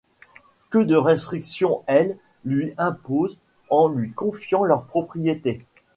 Que de restrictions elles lui imposent en lui confiant leur propriété !